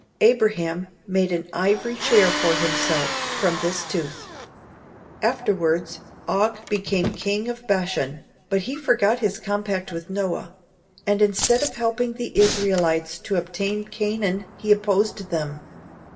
Abraham made an ivory chair for himself from this tooth. Afterwards Og became King of Bashan, but he forgot his compact with Noah and instead of helping the Israelites to obtain Canaan he opposed them.